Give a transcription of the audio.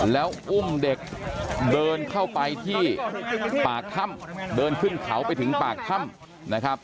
แล้วอุ้มเด็กเดินเข้าไปที่ปากถ้ำเดินขึ้นเขาไปถึงปากถ้ำนะครับ